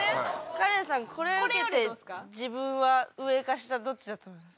カレンさんこれを受けて自分は上か下どっちだと思います？